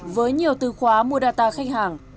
với nhiều từ khóa mua data khách hàng